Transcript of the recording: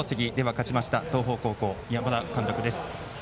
勝ちました東邦高校山田監督です。